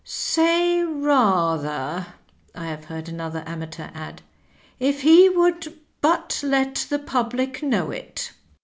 "Say rather," I have heard another amateur add, " if he would but let the public know it."